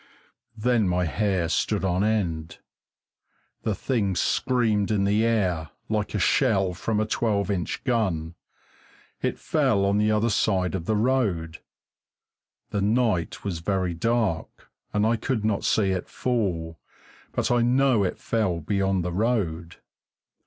Then my hair stood on end. The thing screamed in the air, like a shell from a twelve inch gun. It fell on the other side of the road. The night was very dark, and I could not see it fall, but I know it fell beyond the road.